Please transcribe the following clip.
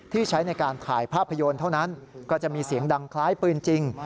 ใช้ในการถ่ายภาพยนตร์เท่านั้นก็จะมีเสียงดังคล้ายปืนจริง